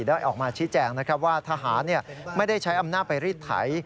ได้ออกมาชี้แจงนะครับว่าทหารไม่ได้ใช้อำนาจไปรีดไถ